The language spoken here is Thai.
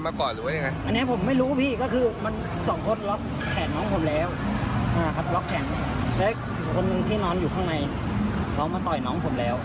แล้วคนที่นอนอยู่ข้างในเขามาต่อยน้องผมแล้ว